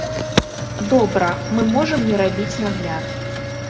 Добра, мы можам не рабіць надгляд.